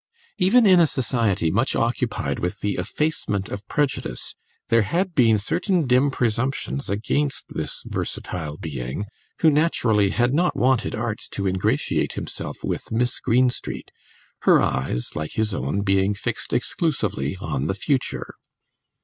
Even in a society much occupied with the effacement of prejudice there had been certain dim presumptions against this versatile being, who naturally had not wanted arts to ingratiate himself with Miss Greenstreet, her eyes, like his own, being fixed exclusively on the future.